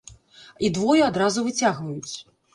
І двое адразу выцягваюць.